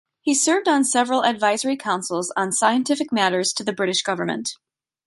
He served on several Advisory Councils on scientific matters to the British Government.